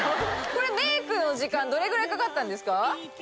メークの時間どれぐらいかかったんですか？